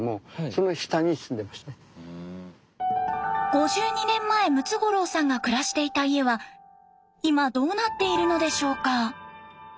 ５２年前ムツゴロウさんが暮らしていた家は今どうなっているのでしょうか？